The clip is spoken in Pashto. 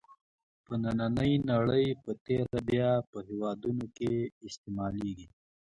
په نننۍ نړۍ په تېره بیا په هېوادونو کې استعمالېږي.